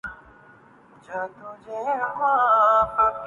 مجھے نہیں معلوم